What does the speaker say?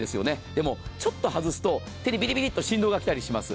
でも、ちょっと外すと手にビリビリと振動が来たりします。